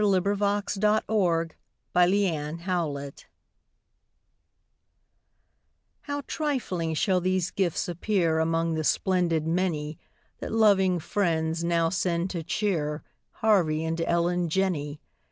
WITH TWO SPOONS FOR TWO SPOONS How trifling shall these gifts appear Among the splendid many That loving friends now send to cheer Harvey and Ellen Jenney.